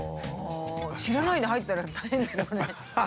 知らないで入ったら大変ですよね。